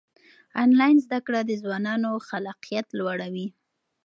آنلاین زده کړه د ځوانانو خلاقیت لوړوي.